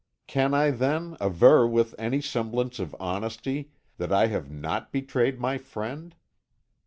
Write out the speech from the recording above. "Can I then, aver with any semblance of honesty that I have not betrayed my friend?